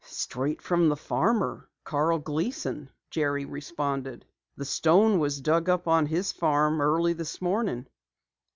"Straight from the farmer, Carl Gleason," Jerry responded. "The stone was dug up on his farm early this morning."